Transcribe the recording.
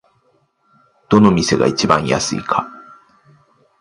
どの店が一番安いか